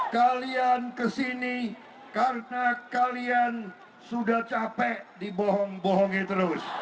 kalian kesini karena kalian sudah capek dibohong bohongi terus